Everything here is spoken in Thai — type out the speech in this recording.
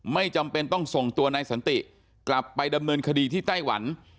ไม่จำเป็นต้องส่งตัวนายสันติกลับไปดำเนินคดีที่ไต้หวัน